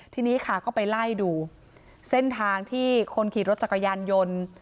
ทีนี้ค่ะก็ไปไล่ดูเส้นทางที่คนขี่รถจักรยานยนต์